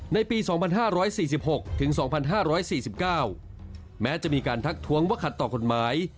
ในปี๒๕๔๖ถึง๒๕๔๙แม้จะมีการทักท้วงว่าขัดต่อกฎหมาย